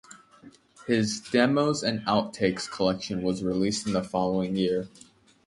His "Demos and Outtakes" collection was released in the following year.